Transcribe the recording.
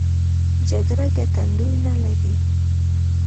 جګړه ګټندوی نه لري.